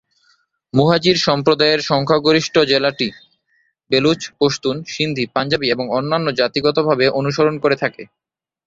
মুহাজির সম্প্রদায়ের সংখ্যাগরিষ্ঠ জেলাটি বেলুচ, পশতুন, সিন্ধি, পাঞ্জাবী এবং অন্যান্য জাতিগতভাবে অনুসরণ করে থাকে।